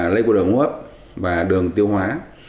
lây cuối đường hốp và đường tiêu hóa